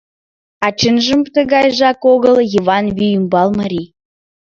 А чынжым тыгайжак огыл — Йыван вий ӱмбал марий.